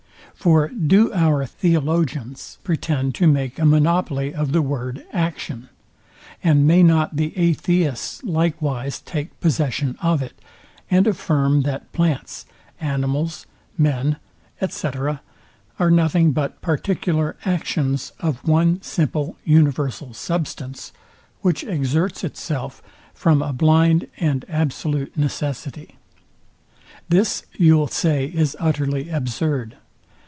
For do our Theologians pretend to make a monopoly of the word, action, and may not the atheists likewise take possession of it, and affirm that plants, animals, men, &c. are nothing but particular actions of one simple universal substance, which exerts itself from a blind and absolute necessity? This you'll say is utterly absurd.